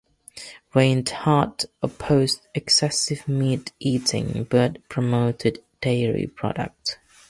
Reinhardt opposed excessive meat eating but promoted dairy products.